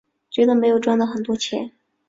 觉得没有赚到很多钱